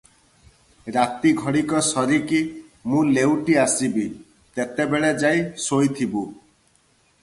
ରାତି ଘଡ଼ିକ ସରିକି ମୁଁ ଲେଉଟି ଆସିବି, ତେତେବେଳ ଯାଇ ଶୋଇଥିବୁ ।